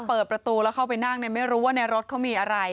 เปิดประตูแล้วเข้าไปนั่งไม่รู้ว่าในรถเขามีอะไร